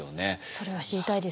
それは知りたいですね。